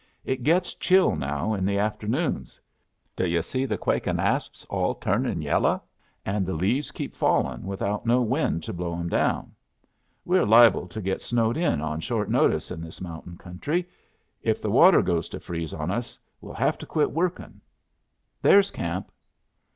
"It gets chill now in the afternoons. D' yu' see the quakin' asps all turned yello', and the leaves keeps fallin' without no wind to blow 'em down? We're liable to get snowed in on short notice in this mountain country. If the water goes to freeze on us we'll have to quit workin'. There's camp."